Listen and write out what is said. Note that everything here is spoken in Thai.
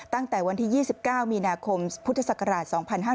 ตั้งแต่วันที่๒๙มีนาคมพุทธศักราช๒๕๕๙